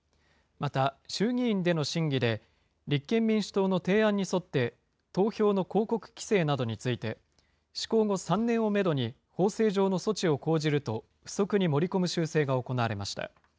また衆議院での審議で、立憲民主党の提案に沿って、投票の広告規制などについて、施行後３年をメドに、法制上の措置を講じると、付則に盛り込む修正が行われました。